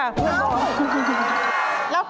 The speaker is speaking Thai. อ้าว